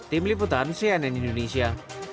tim liputan cnn indonesia